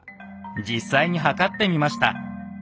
実際に測ってみました。